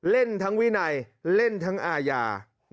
เล่นทั้งวินัยเล่นทั้งอาญา